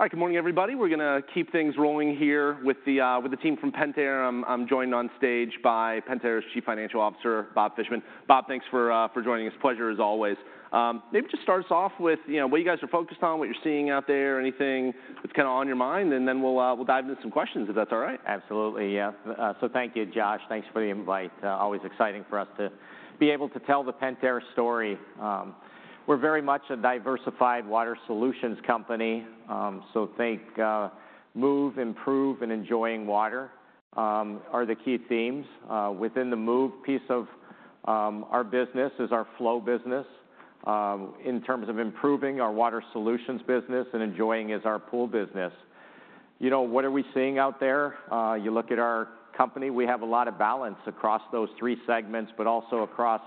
All right. Good morning, everybody. We're gonna keep things rolling here with the team from Pentair. I'm joined on stage by Pentair's Chief Financial Officer, Bob Fishman. Bob, thanks for joining us. Pleasure as always. Maybe just start us off with, you know, what you guys are focused on, what you're seeing out there, anything that's kinda on your mind, and then we'll dive into some questions, if that's all right. Absolutely, yeah. So thank you, Josh. Thanks for the invite. Always exciting for us to be able to tell the Pentair story. We're very much a diversified Water Solutions company. So think, move, improve, and enjoying water, are the key themes. Within the move piece of, our business is our Flow business. In terms of improving our Water Solutions business and enjoying is our Pool business. You know, what are we seeing out there? You look at our company, we have a lot of balance across those three segments, but also across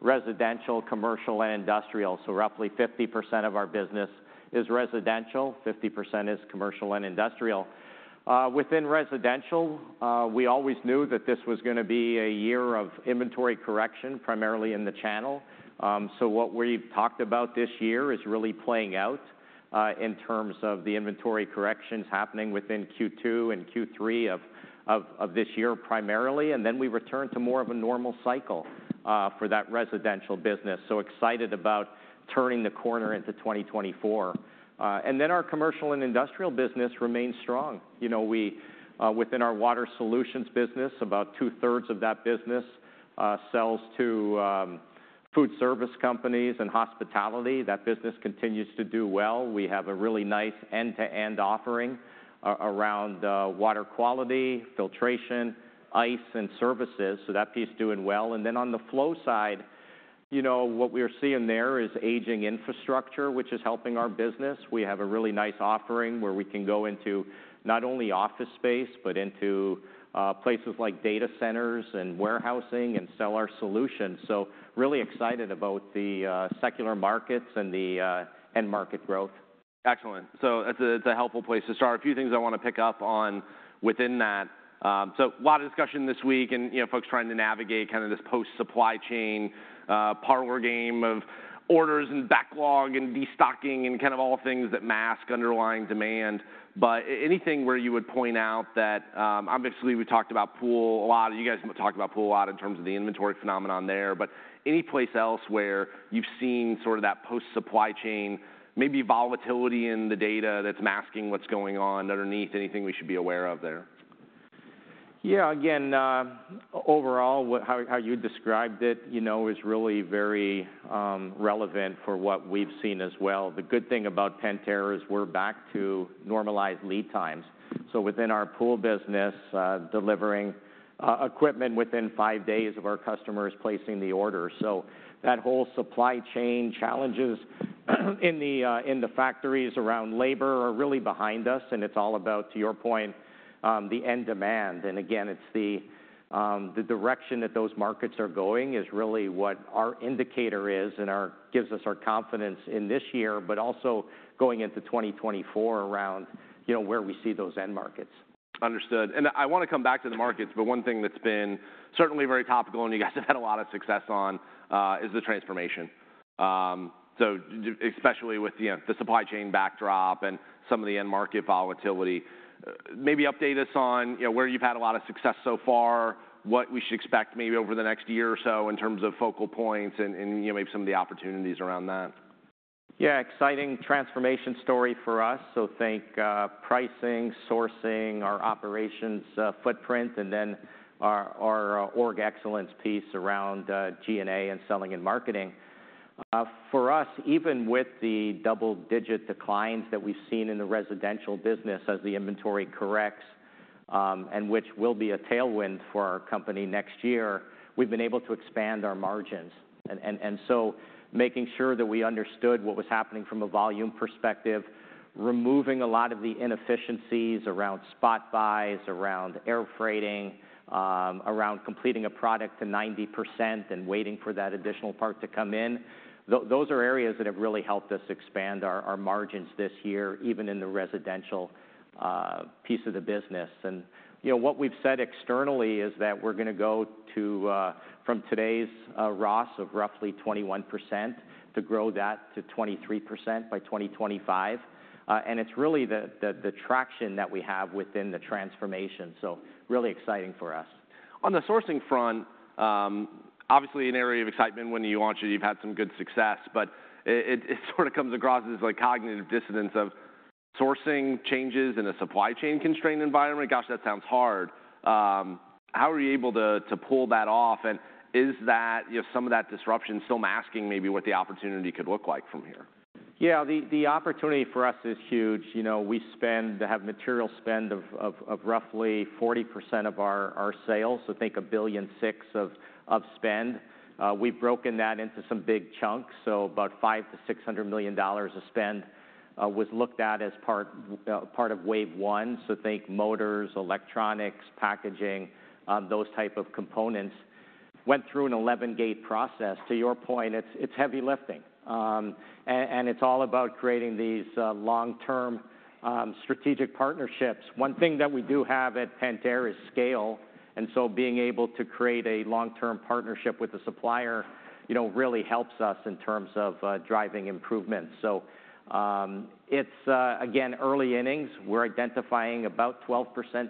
residential, commercial, and industrial. So roughly 50% of our business is residential, 50% is commercial and industrial. Within residential, we always knew that this was gonna be a year of inventory correction, primarily in the channel. So what we've talked about this year is really playing out in terms of the inventory corrections happening within Q2 and Q3 of this year, primarily, and then we return to more of a normal cycle for that residential business. So excited about turning the corner into 2024. And then our commercial and industrial business remains strong. You know, we within our Water Solutions business, about two-thirds of that business sells to food service companies and hospitality. That business continues to do well. We have a really nice end-to-end offering around water quality, filtration, ice, and services, so that piece is doing well. And then on the Flow side, you know, what we're seeing there is aging infrastructure, which is helping our business. We have a really nice offering where we can go into not only office space, but into places like data centers and warehousing, and sell our solutions. So really excited about the secular markets and the end market growth. Excellent. So it's a, it's a helpful place to start. A few things I wanna pick up on within that. So a lot of discussion this week and, you know, folks trying to navigate kinda this post-supply chain, parlor game of orders, and backlog, and destocking, and kind of all things that mask underlying demand. But anything where you would point out that... Obviously, we talked about Pool a lot. You guys have talked about Pool a lot in terms of the inventory phenomenon there. But any place else where you've seen sort of that post-supply chain, maybe volatility in the data that's masking what's going on underneath? Anything we should be aware of there? Yeah, again, overall, how you described it, you know, is really very relevant for what we've seen as well. The good thing about Pentair is we're back to normalized lead times. So within our Pool business, delivering equipment within five days of our customers placing the order. So that whole supply chain challenges in the factories around labor are really behind us, and it's all about, to your point, the end demand. And again, it's the direction that those markets are going is really what our indicator is, and gives us our confidence in this year, but also going into 2024 around, you know, where we see those end markets. Understood. I wanna come back to the markets, but one thing that's been certainly very topical, and you guys have had a lot of success on, is the transformation. So especially with, you know, the supply chain backdrop and some of the end market volatility, maybe update us on, you know, where you've had a lot of success so far, what we should expect maybe over the next year or so in terms of focal points and, you know, maybe some of the opportunities around that. Yeah, exciting transformation story for us. So think pricing, sourcing, our operations footprint, and then our org excellence piece around G&A and selling and marketing. For us, even with the double-digit declines that we've seen in the residential business as the inventory corrects, and which will be a tailwind for our company next year, we've been able to expand our margins. And so making sure that we understood what was happening from a volume perspective, removing a lot of the inefficiencies around spot buys, around air freighting, around completing a product to 90% and waiting for that additional part to come in, those are areas that have really helped us expand our margins this year, even in the residential piece of the business. You know, what we've said externally is that we're gonna go to from today's ROS of roughly 21%, to grow that to 23% by 2025. And it's really the traction that we have within the transformation, so really exciting for us. On the sourcing front, obviously an area of excitement when you launched it, you've had some good success, but it sort of comes across as, like, cognitive dissonance of sourcing changes in a supply chain-constrained environment. Gosh, that sounds hard. How are you able to pull that off, and is that, you know, some of that disruption still masking maybe what the opportunity could look like from here? Yeah, the opportunity for us is huge. You know, we have material spend of roughly 40% of our sales, so think $1.6 billion of spend. We've broken that into some big chunks, so about $500 million-$600 million of spend was looked at as part of wave one. So think motors, electronics, packaging, those type of components. Went through an 11-gate process. To your point, it's heavy lifting, and it's all about creating these long-term strategic partnerships. One thing that we do have at Pentair is scale, and so being able to create a long-term partnership with the supplier, you know, really helps us in terms of driving improvement. So, it's again, early innings. We're identifying about 12%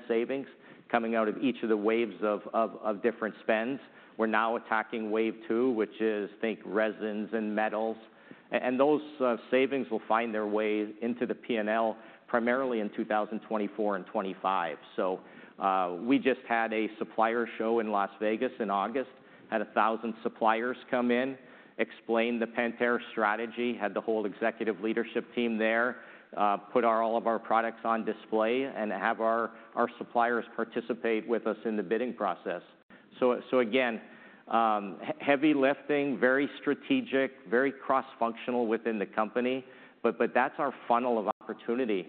savings coming out of each of the waves of different spends. We're now attacking wave two, which is, think resins and metals. And those savings will find their way into the PNL, primarily in 2024 and 2025. So, we just had a supplier show in Las Vegas in August. Had 1,000 suppliers come in, explain the Pentair strategy, had the whole executive leadership team there, put all of our products on display, and have our suppliers participate with us in the bidding process. So again, heavy lifting, very strategic, very cross-functional within the company, but that's our funnel of opportunity,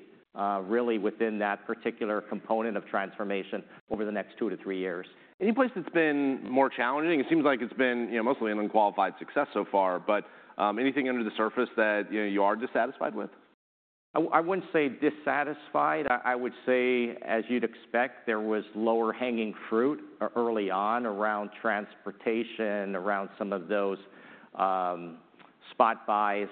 really within that particular component of transformation over the next two to three years. Any place that's been more challenging? It seems like it's been, you know, mostly an unqualified success so far, but anything under the surface that, you know, you are dissatisfied with? I wouldn't say dissatisfied. I would say, as you'd expect, there was lower-hanging fruit early on around transportation, around some of those spot buys.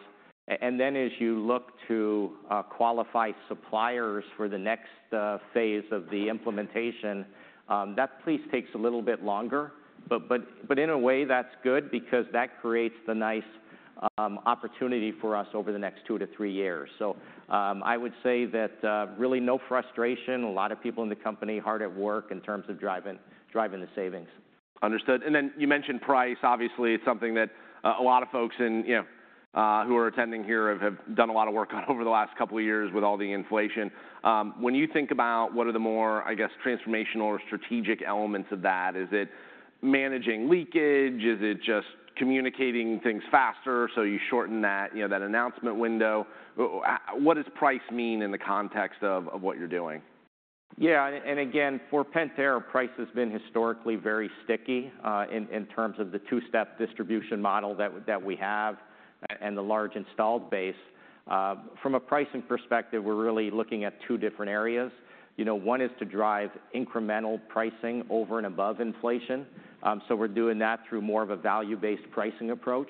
And then as you look to qualify suppliers for the next phase of the implementation, that piece takes a little bit longer. But in a way, that's good because that creates the nice opportunity for us over the next two to three years. So I would say that really no frustration. A lot of people in the company hard at work in terms of driving the savings. Understood. Then you mentioned price. Obviously, it's something that a lot of folks in, you know, who are attending here have done a lot of work on over the last couple of years with all the inflation. When you think about what are the more, I guess, transformational or strategic elements of that, is it managing leakage? Is it just communicating things faster, so you shorten that, you know, that announcement window? What does price mean in the context of what you're doing? Yeah, and again, for Pentair, price has been historically very sticky, in terms of the two-step distribution model that we have, and the large installed base. From a pricing perspective, we're really looking at two different areas. You know, one is to drive incremental pricing over and above inflation, so we're doing that through more of a value-based pricing approach.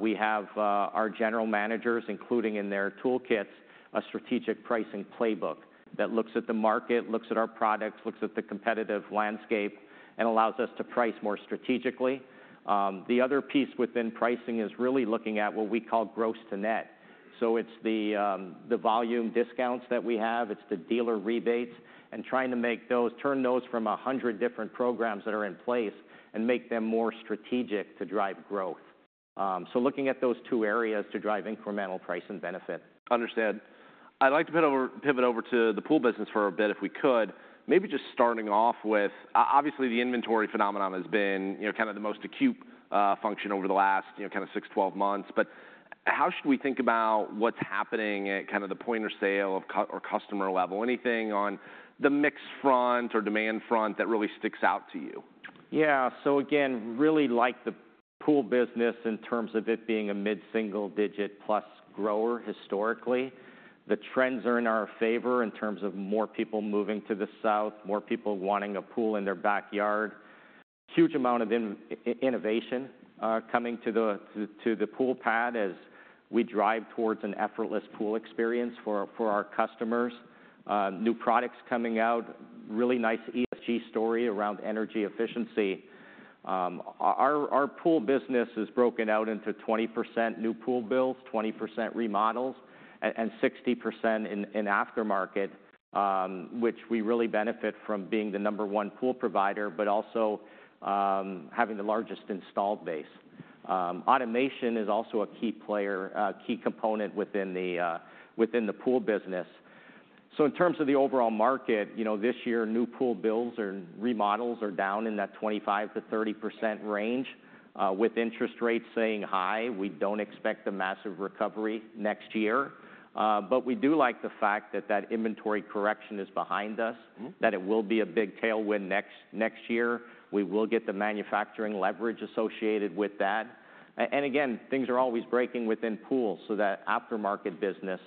We have our general managers, including in their toolkits, a strategic pricing playbook that looks at the market, looks at our products, looks at the competitive landscape, and allows us to price more strategically. The other piece within pricing is really looking at what we call gross to net. So it's the volume discounts that we have, it's the dealer rebates, and trying to turn those from 100 different programs that are in place, and make them more strategic to drive growth. So looking at those two areas to drive incremental price and benefit. Understood. I'd like to pivot over, pivot over to the Pool business for a bit, if we could. Maybe just starting off with... Obviously, the inventory phenomenon has been, you know, kind of the most acute function over the last, you know, kind of 6, 12 months. But how should we think about what's happening at kind of the point of sale or customer level? Anything on the mix front or demand front that really sticks out to you? Yeah. So again, really like the Pool business in terms of it being a mid-single digit plus grower historically. The trends are in our favor in terms of more people moving to the South, more people wanting a Pool in their backyard. Huge amount of innovation coming to the Pool pad as we drive towards an effortless Pool experience for our customers. New products coming out, really nice ESG story around energy efficiency. Our Pool business is broken out into 20% new Pool builds, 20% remodels, and 60% in aftermarket, which we really benefit from being the number one Pool provider, but also having the largest installed base. Automation is also a key player, key component within the Pool business. So in terms of the overall market, you know, this year, new Pool builds or remodels are down in that 25%-30% range. With interest rates staying high, we don't expect a massive recovery next year, but we do like the fact that that inventory correction is behind us- Mm-hmm... that it will be a big tailwind next, next year. We will get the manufacturing leverage associated with that. And again, things are always breaking within Pools, so that aftermarket business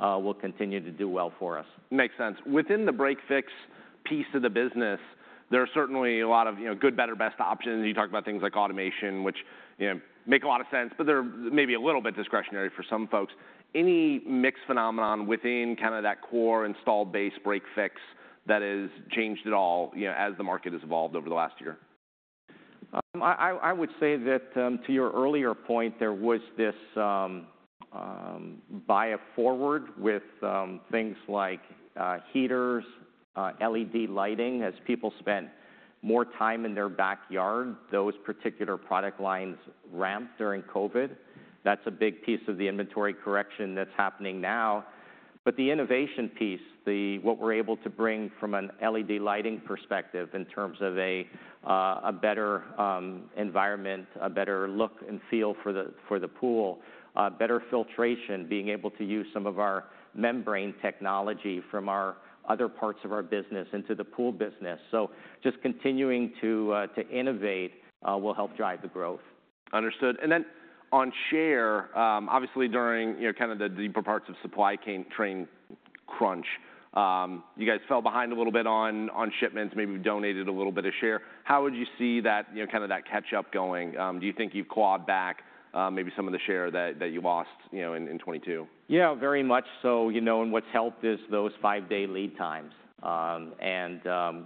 will continue to do well for us. Makes sense. Within the break-fix piece of the business, there are certainly a lot of, you know, good, better, best options. You talk about things like automation, which, you know, make a lot of sense, but they're maybe a little bit discretionary for some folks. Any mixed phenomenon within kind of that core installed base, break-fix, that has changed at all, you know, as the market has evolved over the last year? I would say that to your earlier point, there was this buy it forward with things like heaters, LED lighting. As people spent more time in their backyard, those particular product lines ramped during COVID. That's a big piece of the inventory correction that's happening now. But the innovation piece, what we're able to bring from an LED lighting perspective in terms of a better environment, a better look and feel for the Pool, better filtration, being able to use some of our membrane technology from our other parts of our business into the Pool business. So just continuing to innovate will help drive the growth.... Understood. And then on share, obviously, during, you know, kind of the deeper parts of supply chain constraint crunch, you guys fell behind a little bit on shipments, maybe donated a little bit of share. How would you see that, you know, kind of that catch-up going? Do you think you've clawed back, maybe some of the share that you lost, you know, in 2022? Yeah, very much so. You know, and what's helped is those five-day lead times.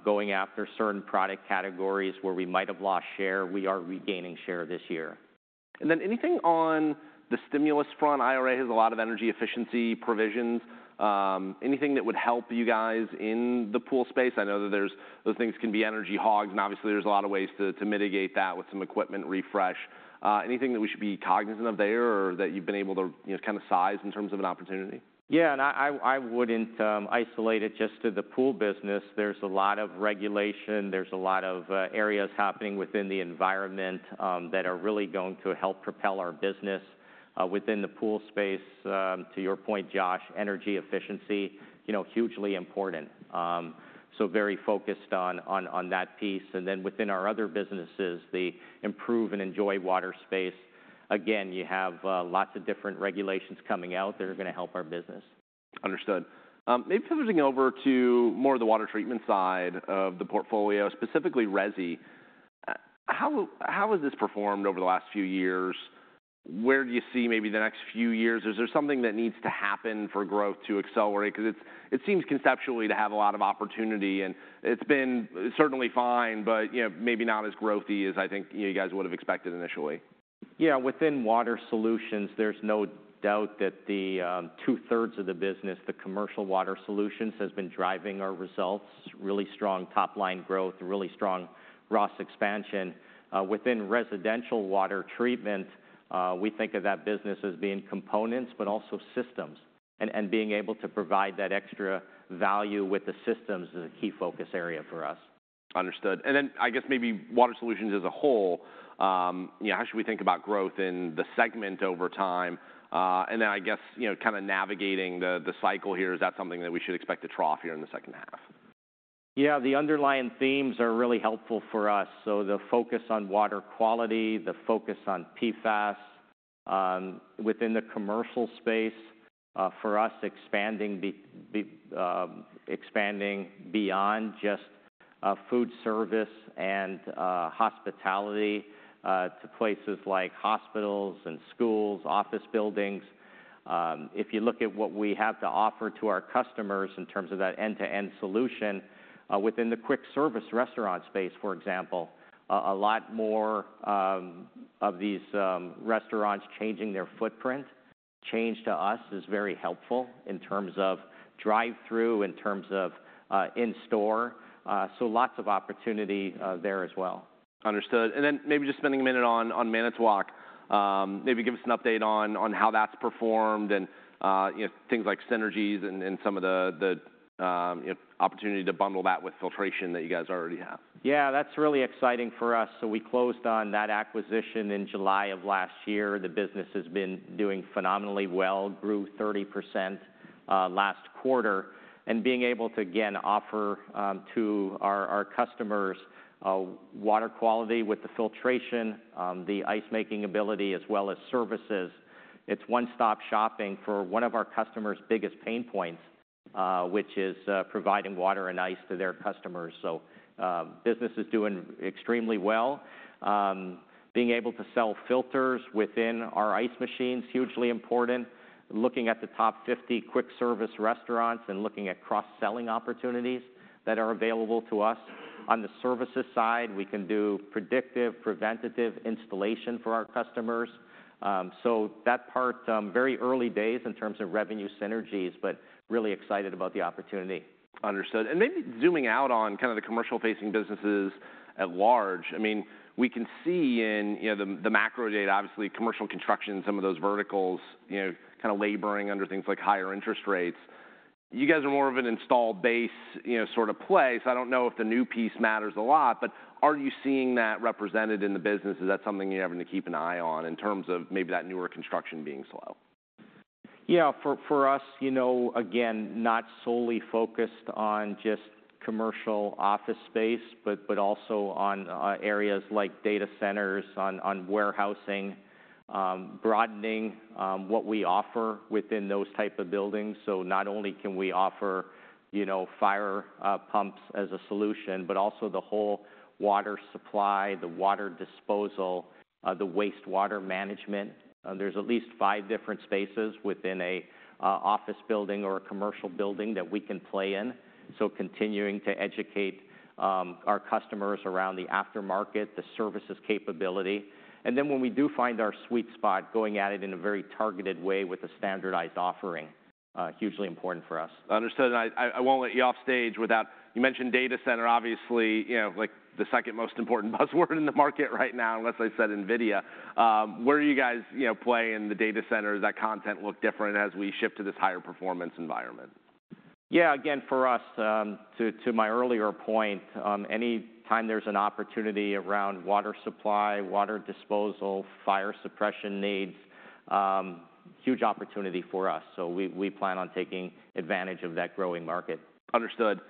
Going after certain product categories where we might have lost share, we are regaining share this year. Then anything on the stimulus front? IRA has a lot of energy efficiency provisions. Anything that would help you guys in the Pool space? I know that there's, those things can be energy hogs, and obviously, there's a lot of ways to mitigate that with some equipment refresh. Anything that we should be cognizant of there, or that you've been able to, you know, kind of size in terms of an opportunity? Yeah, and I wouldn't isolate it just to the Pool business. There's a lot of regulation, there's a lot of areas happening within the environment that are really going to help propel our business within the Pool space. To your point, Josh, energy efficiency, you know, hugely important. So very focused on that piece. And then within our other businesses, the improve and enjoy water space, again, you have lots of different regulations coming out that are gonna help our business. Understood. Maybe pivoting over to more of the water treatment side of the portfolio, specifically Resi. How, how has this performed over the last few years? Where do you see maybe the next few years? Is there something that needs to happen for growth to accelerate? 'Cause it, it seems conceptually to have a lot of opportunity, and it's been certainly fine, but, you know, maybe not as growthy as I think you guys would have expected initially. Yeah, within Water Solutions, there's no doubt that the two-thirds of the business, the Commercial Water Solutions, has been driving our results. Really strong top-line growth, really strong ROS expansion. Within residential water treatment, we think of that business as being components, but also systems, and being able to provide that extra value with the systems is a key focus area for us. Understood. Then, I guess, maybe Water Solutions as a whole, you know, how should we think about growth in the segment over time? Then I guess, you know, kind of navigating the cycle here, is that something that we should expect to trough here in the second half? Yeah, the underlying themes are really helpful for us. So the focus on water quality, the focus on PFAS within the commercial space, for us, expanding beyond just food service and hospitality to places like hospitals and schools, office buildings. If you look at what we have to offer to our customers in terms of that end-to-end solution within the quick service restaurant space, for example, a lot more of these restaurants changing their footprint. Change to us is very helpful in terms of drive-through, in terms of in-store, so lots of opportunity there as well. Understood. And then maybe just spending a minute on Manitowoc. Maybe give us an update on how that's performed and, you know, things like synergies and some of the you know, opportunity to bundle that with filtration that you guys already have. Yeah, that's really exciting for us. So we closed on that acquisition in July of last year. The business has been doing phenomenally well, grew 30% last quarter. And being able to, again, offer, to our, our customers, water quality with the filtration, the ice-making ability, as well as services. It's one-stop shopping for one of our customers' biggest pain points, which is providing water and ice to their customers. So, business is doing extremely well. Being able to sell filters within our ice machines, hugely important. Looking at the top 50 quick service restaurants and looking at cross-selling opportunities that are available to us. On the services side, we can do predictive, preventative installation for our customers. So that part, very early days in terms of revenue synergies, but really excited about the opportunity. Understood. Maybe zooming out on kind of the commercial-facing businesses at large, I mean, we can see in, you know, the macro data, obviously, commercial construction, some of those verticals, you know, kind of laboring under things like higher interest rates. You guys are more of an installed base, you know, sort of play, so I don't know if the new piece matters a lot, but are you seeing that represented in the business? Is that something you're having to keep an eye on in terms of maybe that newer construction being slow? Yeah, for us, you know, again, not solely focused on just commercial office space, but also on areas like data centers, on warehousing, broadening what we offer within those type of buildings. So not only can we offer, you know, fire pumps as a solution, but also the whole water supply, the water disposal, the wastewater management. There's at least five different spaces within a office building or a commercial building that we can play in. So continuing to educate our customers around the aftermarket, the services capability, and then when we do find our sweet spot, going at it in a very targeted way with a standardized offering, hugely important for us. Understood. I won't let you off stage without... You mentioned data center, obviously, you know, like, the second most important buzzword in the market right now, unless I said NVIDIA. Where do you guys, you know, play in the data center? Does that content look different as we shift to this higher performance environment? Yeah, again, for us, to my earlier point, any time there's an opportunity around water supply, water disposal, fire suppression needs, huge opportunity for us, so we plan on taking advantage of that growing market. Understood.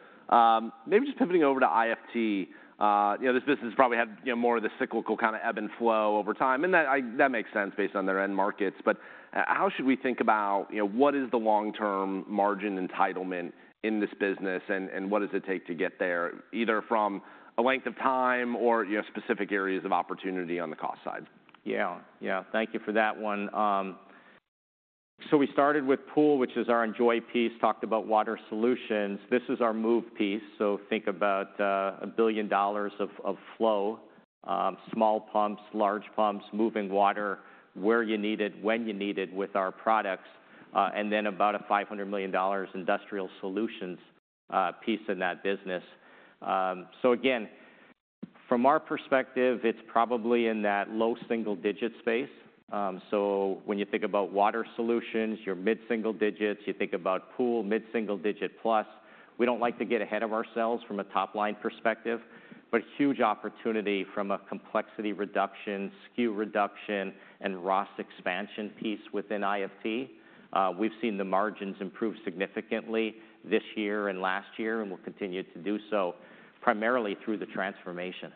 Maybe just pivoting over to IFT. You know, this business probably had, you know, more of the cyclical kind of ebb and Flow over time, and that makes sense based on their end markets. But how should we think about, you know, what is the long-term margin entitlement in this business, and what does it take to get there, either from a length of time or, you know, specific areas of opportunity on the cost side? Yeah. Yeah, thank you for that one. So we started with Pool, which is our enjoy piece, talked about Water Solutions. This is our move piece, so think about $1 billion of Flow, small pumps, large pumps, moving water where you need it, when you need it with our products, and then about $500 million Industrial Solutions piece in that business. So again, from our perspective, it's probably in that low single-digit space. So when you think about Water Solutions, you're mid-single digits. You think about Pool, mid-single digit plus. We don't like to get ahead of ourselves from a top-line perspective, but huge opportunity from a complexity reduction, SKU reduction, and ROS expansion piece within IFT. We've seen the margins improve significantly this year and last year, and will continue to do so, primarily through the transformation.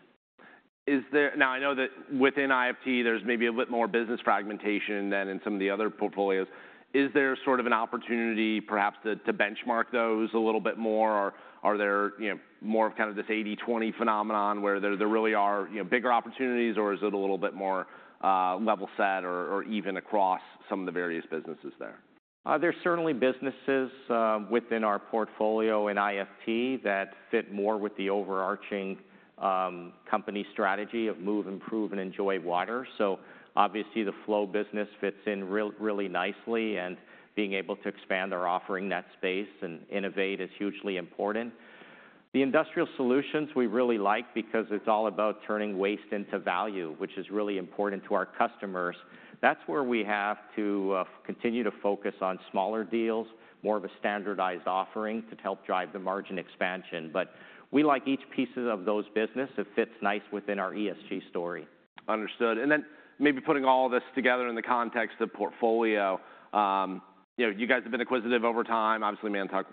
Is there... Now, I know that within IFT, there's maybe a bit more business fragmentation than in some of the other portfolios. Is there sort of an opportunity, perhaps, to, to benchmark those a little bit more? Or are there, you know, more of kind of this 80/20 phenomenon, where there, there really are, you know, bigger opportunities, or is it a little bit more, level set or, or even across some of the various businesses there? There's certainly businesses within our portfolio in IFT that fit more with the overarching company strategy of move, improve, and enjoy water. So obviously, the Flow business fits in really nicely, and being able to expand our offering in that space and innovate is hugely important. The Industrial solutions we really like because it's all about turning waste into value, which is really important to our customers. That's where we have to continue to focus on smaller deals, more of a standardized offering to help drive the margin expansion. But we like each pieces of those business. It fits nice within our ESG story. Understood. And then maybe putting all this together in the context of portfolio, you know, you guys have been acquisitive over time. Obviously, Manitowoc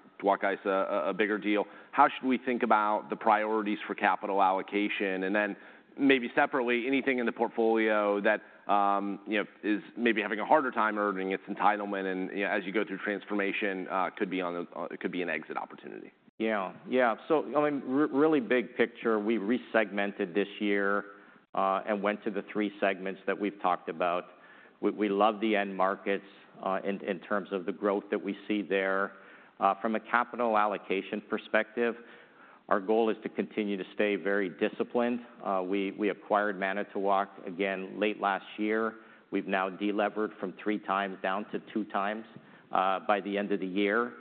is a bigger deal. How should we think about the priorities for capital allocation? And then maybe separately, anything in the portfolio that, you know, is maybe having a harder time earning its entitlement and, you know, as you go through transformation, could be on the, could be an exit opportunity? Yeah. Yeah. So, I mean, really big picture, we resegmented this year, and went to the three segments that we've talked about. We love the end markets in terms of the growth that we see there. From a capital allocation perspective, our goal is to continue to stay very disciplined. We acquired Manitowoc again late last year. We've now delivered from 3x down to 2x by the end of the year.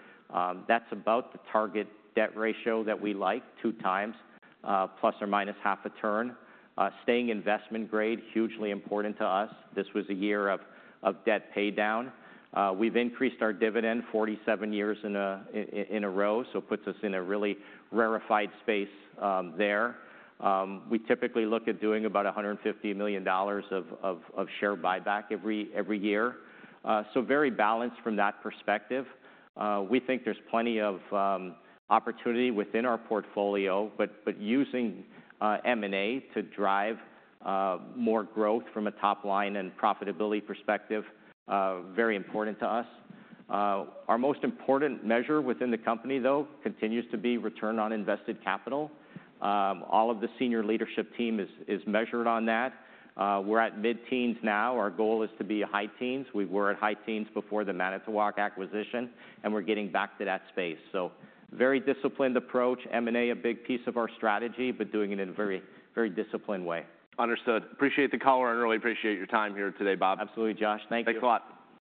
That's about the target debt ratio that we like, 2x, plus or minus half a turn. Staying investment grade, hugely important to us. This was a year of debt paydown. We've increased our dividend 47 years in a row, so it puts us in a really rarefied space there. We typically look at doing about $150 million of share buyback every year. So very balanced from that perspective. We think there's plenty of opportunity within our portfolio, but using M&A to drive more growth from a top-line and profitability perspective, very important to us. Our most important measure within the company, though, continues to be return on invested capital. All of the senior leadership team is measured on that. We're at mid-teens now. Our goal is to be a high teens. We were at high teens before the Manitowoc acquisition, and we're getting back to that space. So very disciplined approach. M&A, a big piece of our strategy, but doing it in a very, very disciplined way. Understood. Appreciate the color, and really appreciate your time here today, Bob. Absolutely, Josh. Thank you. Thanks a lot.